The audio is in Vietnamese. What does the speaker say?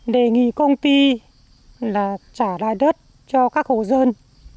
đề nghị công ty là trả lại đất cho các hộ dân